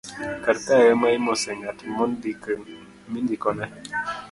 karkae ema imose ng'at mindikone